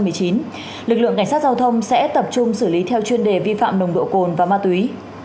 lực lượng cảnh sát giao thông sẽ tập trung xử lý theo chuyên đề vi phạm nồng độ cồn và ma túy